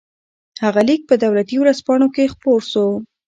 هغه لیک په دولتي ورځپاڼو کې خپور شو.